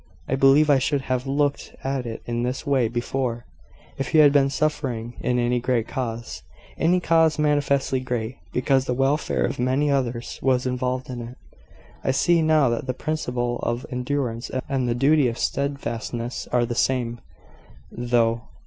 I believe I should have looked at it in this way before, if you had been suffering in any great cause any cause manifestly great, because the welfare of many others was involved in it. I see now that the principle of endurance and the duty of steadfastness are the same, though